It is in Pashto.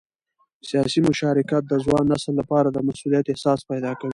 سیاسي مشارکت د ځوان نسل لپاره د مسؤلیت احساس پیدا کوي